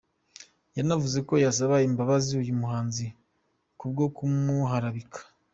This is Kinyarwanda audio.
Yanavuze ko yasaba imbabazi uyu muhanzi ku bwo kumuharabika.